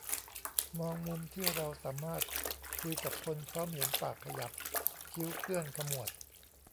มองมุมที่เราสามารถคุยกับคนพร้อมเห็นปากขยับ คิ้วเคลื่อนขมวด